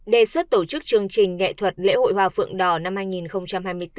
đề xuất tổ chức chương trình nghệ thuật lễ hội hoa phượng đỏ năm hai nghìn hai mươi bốn